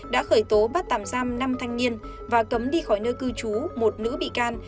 đã khởi tố bắt tạm giam năm thanh niên và cấm đi khỏi nơi cư trú một nữ bị can